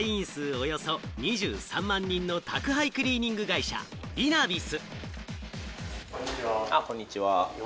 およそ２３万人の宅配クリーニング会社リナビス。